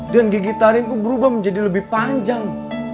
dan gigi tarimku berubah menjadi lebih panjang